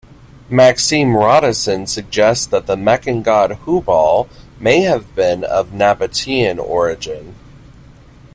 Maxime Rodinson suggests that the Meccan god Hubal may have been of Nabataean origin.